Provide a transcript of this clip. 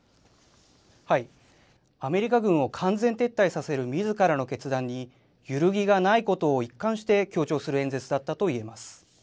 アメリカ軍を完全撤退させるみずからの決断に、揺るぎがないことを一貫して強調する演説だったといえます。